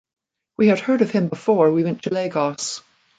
We had heard of him before we went to Lagos.